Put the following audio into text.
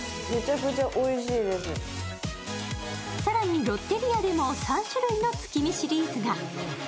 更に、ロッテリアでも３種類の月見シリーズが。